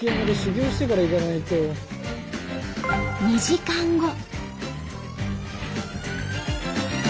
２時間後。